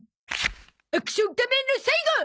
『アクションかめんのさいご』！